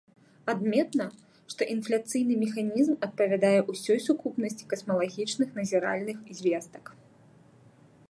Адметна, што інфляцыйны механізм адпавядае ўсёй сукупнасці касмалагічных назіральных звестак.